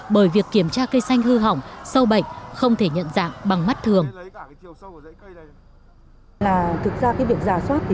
bởi việc kiểm tra cây xanh hư hỏng sâu bệnh không thể nhận dạng bằng mắt thường